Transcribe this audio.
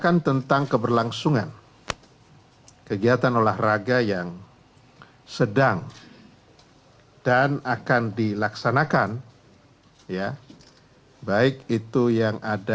kemenpora juga akan berkongsi tentang kegiatan olahraga yang sedang dan akan dilaksanakan